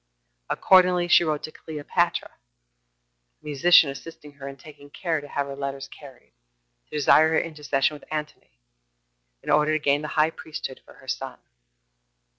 Accordingly, she wrote to Cleopatra [a musician assisting her in taking care to have her letters carried] to desire her intercession with Antony, in order to gain the high priesthood for her son.